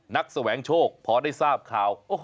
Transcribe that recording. แสวงโชคพอได้ทราบข่าว